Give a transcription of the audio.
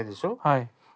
はい。